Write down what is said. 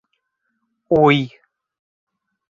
Уй!